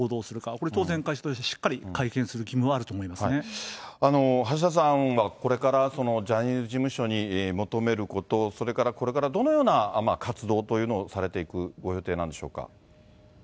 これ当然、会社としてしっかり会見する義務橋田さんはこれからジャニーズ事務所に求めること、それからこれからどのような活動というのをされていくご予定なんでしょうか。